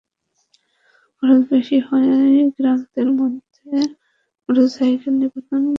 খরচ বেশি হওয়ায় গ্রাহকদের মধ্যে মোটরসাইকেলের নিবন্ধন করাতে অনীহা দেখা যায়।